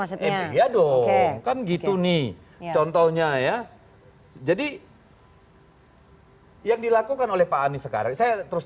iya dong kan gitu nih contohnya ya jadi yang dilakukan oleh pak anies sekarang saya terus